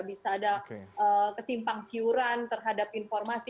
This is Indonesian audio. bisa ada kesimpang siuran terhadap informasi